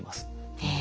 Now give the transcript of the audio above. へえ。